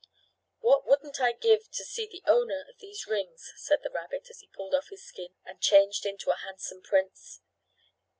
"What wouldn't I give to see the owner of these rings!" said the rabbit as he pulled off his skin and changed into a handsome prince.